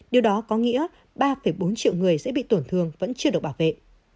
điều đó có nghĩa ba bốn triệu người sẽ bị tổn thương vẫn chưa được bảo vệ